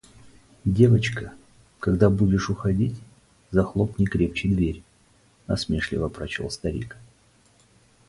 – «Девочка, когда будешь уходить, захлопни крепче дверь», – насмешливо прочел старик.